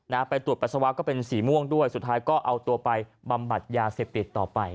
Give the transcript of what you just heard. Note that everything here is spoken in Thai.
ไปตรวจปัสสาวะก็เป็นสีม่วงด้วยสุดท้ายก็เอาตัวไปบำบัดยาเสพติดต่อไป